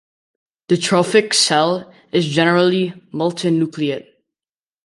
The trophic cell is generally multinucleate.